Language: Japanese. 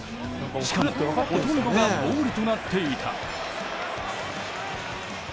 しかも、ほとんどがボールとなっていた。